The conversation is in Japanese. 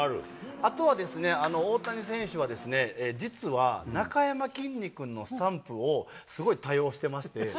あとは、大谷選手は、実はなかやまきんに君のスタンプを、すごい多用してまして。